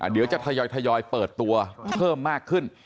เดี๋ยวจะทยอยเปิดตัวเพิ่มมากขึ้น